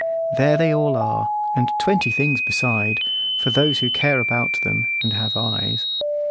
There they all are, and twenty things beside, for those who care about them, and have eyes.